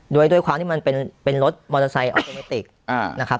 โดยด้วยความที่มันเป็นเป็นรถมอเตอร์ไซต์อ่านะครับ